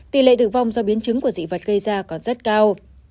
tỷ lệ tử vong do biến chứng của dị vật gây ra còn rất cao